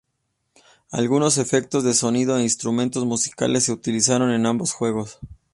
Algunos efectos de sonido e instrumentos musicales se utilizaron en ambos juegos.